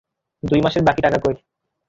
দুই মাসের বাকি টাকা কই?